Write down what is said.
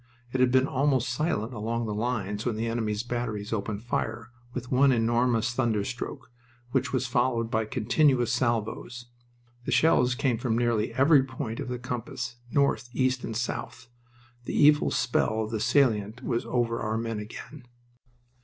It had been almost silent along the lines when the enemy's batteries opened fire with one enormous thunderstroke, which was followed by continuous salvos. The shells came from nearly every point of the compass north, east, and south. The evil spell of the salient was over our men again.